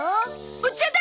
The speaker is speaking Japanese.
お茶だ！